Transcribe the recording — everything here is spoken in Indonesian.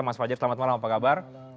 mas fajar selamat malam apa kabar